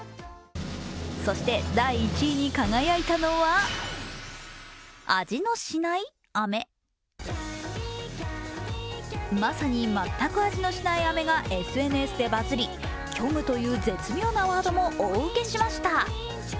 そして第１位に輝いたのはまさに全く味のしないあめがＳＮＳでバズり虚無という絶妙なワードも大ウケしました。